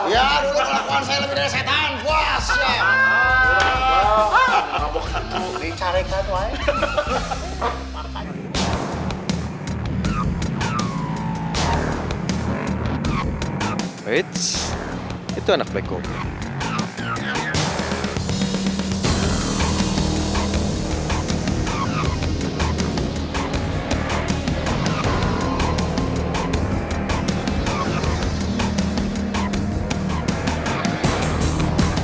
ya dulu kelakuan saya lebih dari setan